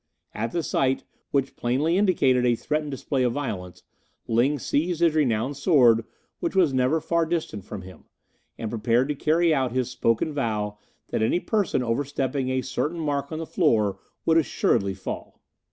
At the sight, which plainly indicated a threatened display of violence, Ling seized his renowned sword, which was never far distant from him, and prepared to carry out his spoken vow, that any person overstepping a certain mark on the floor would assuredly fall.